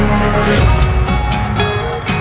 aku mau ngeliatin apaan